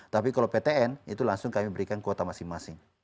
tapi kalau ptn itu langsung kami berikan kuota masing masing